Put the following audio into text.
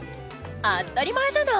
あったりまえじゃない。